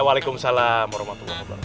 waalaikumsalam warahmatullahi wabarakatuh